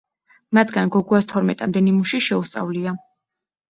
მათგან გოგუას თორმეტამდე ნიმუში შეუსწავლია.